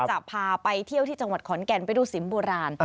จะพาไปเที่ยวที่จังหวัดขอนแก่นไปดูสิมโบราณ